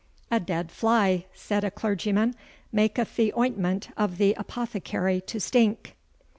"A dead fly," said a clergyman, "maketh the ointment of the apothecary to stink."